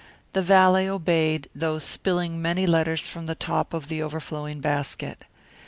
The valet obeyed, though spilling many letters from the top of the overflowing basket.